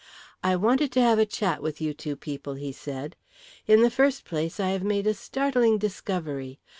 "I wanted to have a chat with you two people," he said. "In the first place I have made a startling discovery.